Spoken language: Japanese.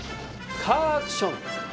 カーアクション